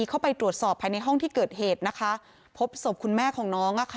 เข้าไปตรวจสอบภายในห้องที่เกิดเหตุนะคะพบศพคุณแม่ของน้องอ่ะค่ะ